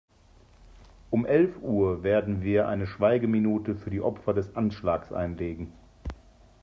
Um elf Uhr werden wir eine Schweigeminute für die Opfer des Anschlags einlegen.